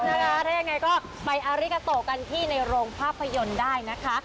ถ้ายังไงก็ไปอาริกาโตกันที่ในโรงภาพยนตร์ได้นะคะ